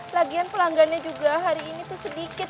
lagian pelanggannya juga hari ini tuh sedikit